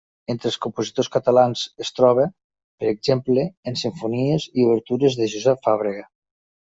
Entre els compositors catalans es troba, per exemple en simfonies i obertures de Josep Fàbrega.